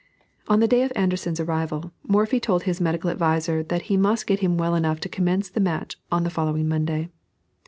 On the day of Anderssen's arrival, Morphy told his medical adviser that he must get him well enough to commence the match on the following Monday.